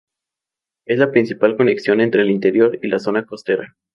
Es la principal conexión entre el interior y la zona costera.